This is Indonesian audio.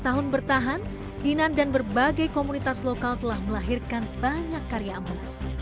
lima belas tahun bertahan dinan dan berbagai komunitas lokal telah melahirkan banyak karya amat